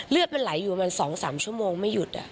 เลือดมันไหลอยู่ประมาณ๒๓ชั่วโมงไม่หยุด